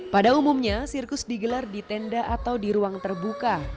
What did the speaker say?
pada umumnya sirkus digelar di tenda atau di ruang terbuka